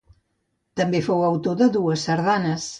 També fou autor de dues sardanes.